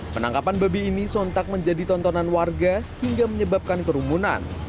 penangkapan babi ini sontak menjadi tontonan warga hingga menyebabkan kerumunan